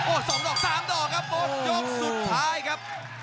โอ๊ะสองต่อทั้งสามต่อครับหมดยกสุดท้ายครับ